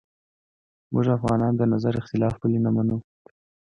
موږ افغانان د نظر اختلاف ولې نه منو